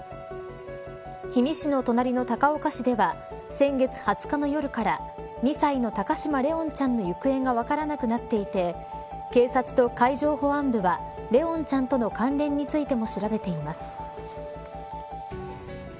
氷見市の隣の高岡市では先月２０日の夜から２歳の高嶋怜音ちゃんの行方が分からなくなっていて警察と海上保安部は怜音ちゃんとの関連についても調べています。